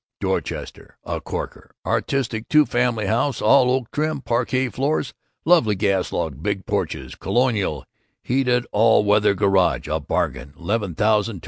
DORCHESTER. A corker! Artistic two family house, all oak trim, parquet floors, lovely gas log, big porches, colonial, HEATED ALL WEATHER GARAGE, a bargain at $11,250.